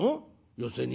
寄席に？